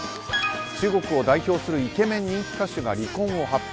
中国を代表するイケメン人気歌手が離婚を発表。